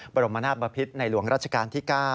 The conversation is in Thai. บรมนาศบพิษในหลวงราชการที่๙